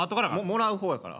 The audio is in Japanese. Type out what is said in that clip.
もらう方やから。